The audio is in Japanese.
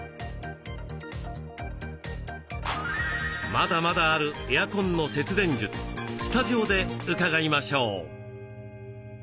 まだまだあるエアコンの節電術スタジオで伺いましょう。